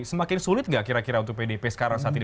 semakin sulit nggak kira kira untuk pdp sekarang saat ini